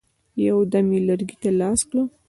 یو دم یې لرګي ته لاس کړ.